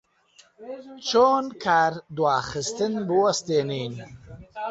چۆن کاردواخستن بوەستێنین؟